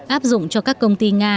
áp dụng cho các công ty nga